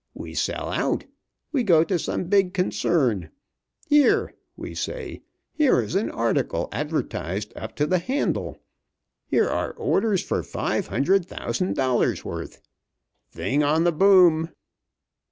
We sell out. We go to some big concern. 'Here,' we say 'Here is an article advertised up to the handle. Here are orders for five hundred thousand dollars' worth. Thing on the boom.